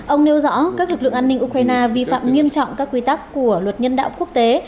ông nêu rõ các lực lượng an ninh ukraine vi phạm nghiêm trọng các quy tắc của luật nhân đạo quốc tế